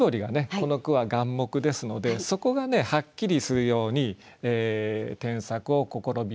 この句は眼目ですのでそこがはっきりするように添削を試みます。